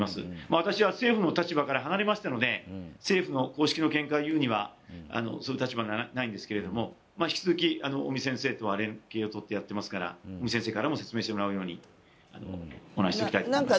私は政府の立場から離れましたので、政府の公式の見解をいうにはそういう立場にいないんですけど引き続き、尾身先生とは連係を取ってやっていますから尾身先生からも説明してもらうようにお願いしたいと思います。